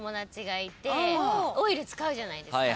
オイル使うじゃないですか。